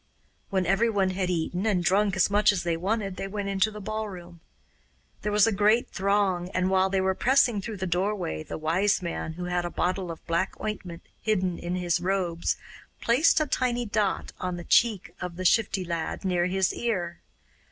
When everyone had eaten and drunk as much as they wanted they went into the ballroom. There was a great throng, and while they were pressing through the doorway the Wise Man, who had a bottle of black ointment hidden in his robes, placed a tiny dot on the cheek of the Shifty Lad near his ear.